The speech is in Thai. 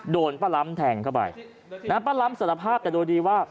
โดนป้าล้ำแทงเข้าไปนะป้าล้ำสารภาพแต่โดยดีว่า